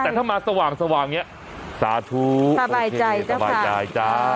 แต่ถ้ามาสว่างอย่างนี้สาธุโอเคสบายใจจ้ะค่ะ